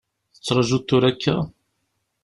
Tettrajuḍ tura akka?